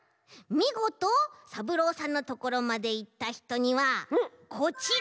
みごとさぶろうさんのところまでいったひとにはこちら。